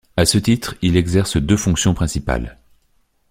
À ce titre, il exerce deux fonctions principales.